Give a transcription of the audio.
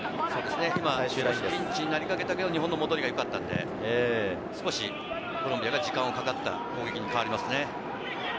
今ピンチになりかけたけど日本の戻りがよかったので、コロンビアが時間がかかった攻撃に変わりますね。